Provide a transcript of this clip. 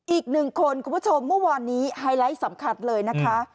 อีกหนึ่งคนคุณผู้ชมเมื่อวานนี้ไฮไลท์สำคัญเลยนะคะ